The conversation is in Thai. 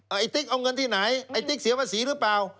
ไอ้ติ๊กเอาเงินที่ไหนไอ้ติ๊กเสียภาษีหรือเปล่า